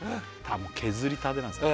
もう削りたてなんですね